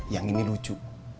yang ini lucu